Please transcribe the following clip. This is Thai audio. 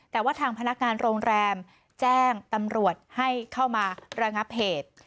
แต่ว่าทางพนักงานโรงแรมแจ้งตำรวจให้เข้ามาระงับเหตุ